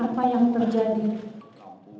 berita terkini mengenai penyelidikan dpd